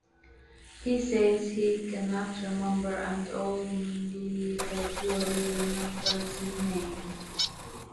He says he cannot remember and only vaguely remembers his name.